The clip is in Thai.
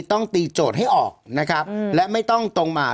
ต้องตีโจทย์ให้ออกนะครับและไม่ต้องตรงมา